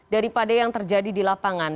daripada yang terjadi di lapangan